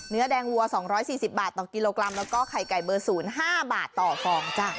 เนื้อแดงวัว๒๔๐บาทต่อกิโลกรัมแล้วก็ไข่ไก่เบอร์๐๕บาทต่อฟองจ้ะ